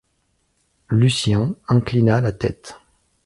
Lucien inclina la tête.